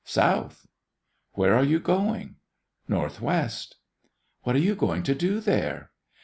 "South." "Where are you going?" "Northwest." "What are you going to do there?"